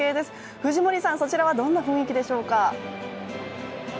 藤森さん、そちらはどんな雰囲気でしょうか？